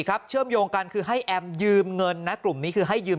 เชื่อมโยงกันคือให้แอมยืมเงินนะกลุ่มนี้คือให้ยืม